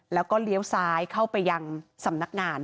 แล้วก็เลี้ยวซ้ายเข้าไปยังสำนักงาน